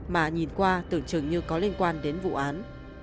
mà nhìn qua tưởng chừng như có liên quan đến vụ án